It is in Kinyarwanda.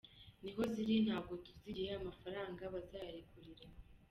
Niho ziri ntabwo tuzi igihe amafaranga bazayarekurira.